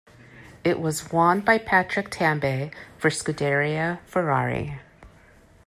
It was won by Patrick Tambay for Scuderia Ferrari.